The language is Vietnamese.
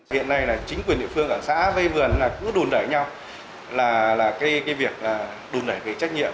hiện nay là chính quyền địa phương ở xã với vườn là cứ đùn đẩy nhau là cái việc đùn đẩy cái trách nhiệm